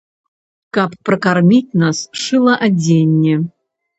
Каб пракарміць нас, шыла адзенне.